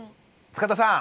塚田さん。